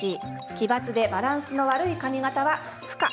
奇抜でバランスの悪い髪形は不可。